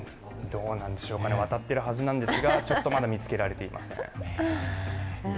どうなんでしょうかね、渡ってるはずなんですが、ちょっとまだ見つけられていません。